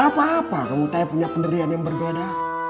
apa apa kamu tak punya pendirian yang berbeda